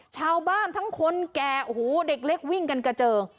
ชาวบ้านทั้งคนแก่โอ้โหเด็กเล็กวิ่งกันกระเจิง